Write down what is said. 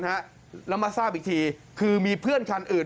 แล้วมาทราบอีกทีคือมีเพื่อนคันอื่น